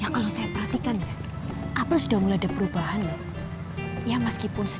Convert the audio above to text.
ya kalau saya perhatikan apel sudah mulai ada perubahan ya meskipun sedikit tapi dia sudah mudah gak kalah lagi sama